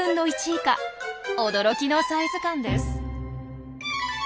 驚きのサイズ感です。